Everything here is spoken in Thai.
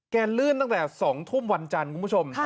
ลื่นตั้งแต่๒ทุ่มวันจันทร์คุณผู้ชม